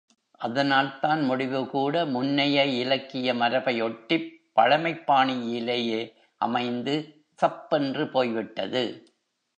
அதனால்தான், முடிவுகூட முன்னைய இலக்கியமரபை ஒட்டிப் பழைமைப் பாணியிலேயே அமைந்து சப் பென்று போய்விட்டது!